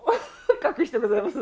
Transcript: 隠してございます。